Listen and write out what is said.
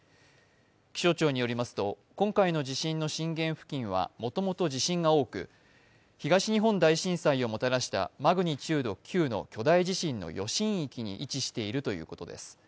気象庁によりますと今回の地震の震源付近はもともと地震が多く、東日本大震災をもたらしたマグニチュード９の巨大地震の余震域に位置しているということです。